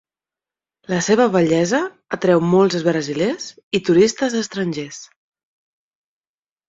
La seva bellesa atreu molts brasilers i turistes estrangers.